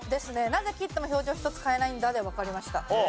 「なぜ斬っても表情一つ変えないんだ！」でわかりました。